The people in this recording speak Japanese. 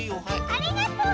ありがとう！